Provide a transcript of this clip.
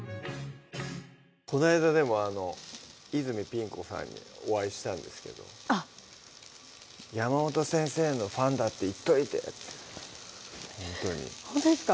こないだ泉ピン子さんにお会いしたんですけど「山本先生のファンだって言っといて」ってほんとですか？